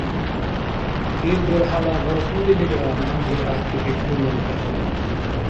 Ил дурхӏяла баркьудилира набзир гӏяхӏти пикруми акӏахъуб.